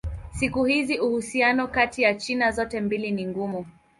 Siku hizi uhusiano kati ya China zote mbili ni mgumu.